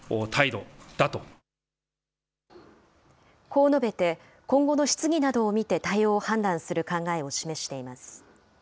こう述べて、今後の質疑などを見て対応を判断する考えを示しています。